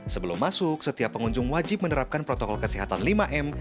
sebelum masuk setiap pengunjung wajib menerapkan protokol kesehatan lima m